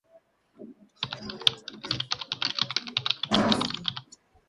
Tafuta ushauri wa afisa wa afya ya mifugo unapoona dalili yoyote